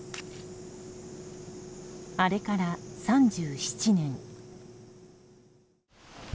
あれから３７年。